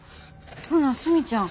ほなスミちゃん